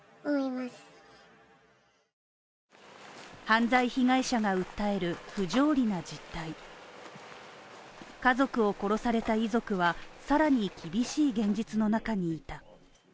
犯罪被害者が訴える不条理な実態家族を殺された遺族はさらに厳しい現実の中にいた。